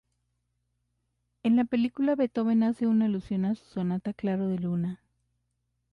En la película, Beethoven hace una alusión a su sonata "Claro de Luna".